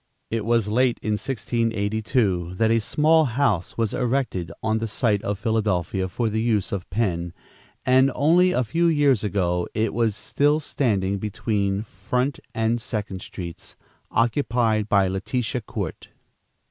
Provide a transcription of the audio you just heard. It was late in 1682 that a small house was erected on the site of Philadelphia for the use of Penn, and only a few years ago it was still standing between Front and Second Streets, occupied by Letitia Court.